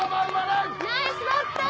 ナイスバッター！